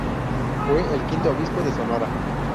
Fue el quinto obispo de Sonora.